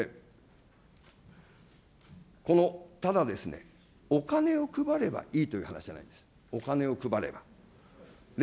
この、ただですね、お金を配ればいいという話ではないです、お金を配れば。